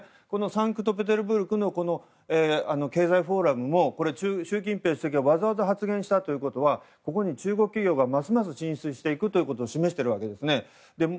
サンクトペテルブルクのこの経済フォーラムも習近平主席がわざわざ発言したということはここに中国企業がますます進出していくことを示しているわけです。